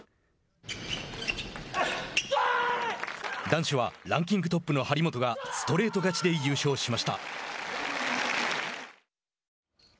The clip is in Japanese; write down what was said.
男子は、ランキングトップの張本がストレート勝ちで優勝しました。